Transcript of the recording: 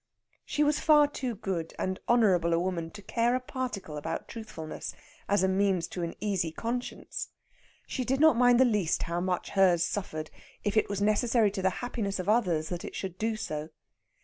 She was far too good and honourable a woman to care a particle about truthfulness as a means to an easy conscience; she did not mind the least how much hers suffered if it was necessary to the happiness of others that it should do so.